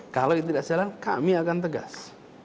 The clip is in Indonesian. kalau tidak sejalan kami akan tegas